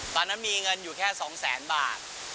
ตอนนั้นมีเงินอยู่แค่๒แสนบาท